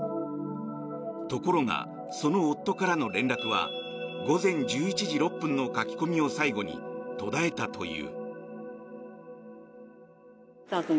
ところが、その夫からの連絡は午前１１時６分の書き込みを最後に途絶えたという。